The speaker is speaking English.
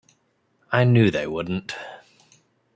I knew they wouldn't.